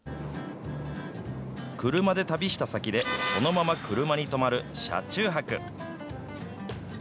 車で旅した先で、そのまま車に泊まる車中泊。